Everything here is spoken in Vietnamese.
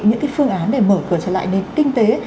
những cái phương án để mở cửa trở lại nền kinh tế